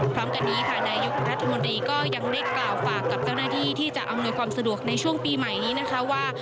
พร้อมกันนี้ค่ะนายกรัฐมนตรีก็ยังได้กล่าวฝากกับเจ้าหน้าที่ที่จะอำนวยความสะดวกในช่วงปีใหม่นี้นะคะว่า